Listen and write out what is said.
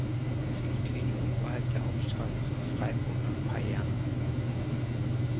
Es liegt wenig oberhalb der Hauptstrasse von Freiburg nach Payerne.